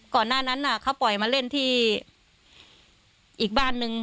ก่อนหน้านั้นเขาปล่อยมาเล่นที่อีกบ้านนึง